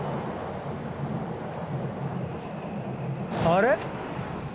あれ？